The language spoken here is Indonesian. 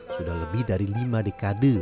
sudah lebih dari lima dekade